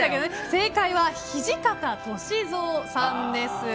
正解は土方歳三さんです。